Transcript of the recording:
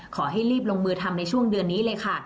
ขอให้รีบลงมือทำในช่วงเดือนนี้เลยค่ะ